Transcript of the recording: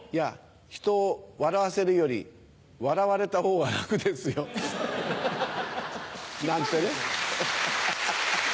人を笑わせるより笑われたほうが楽ですよ。なんてね。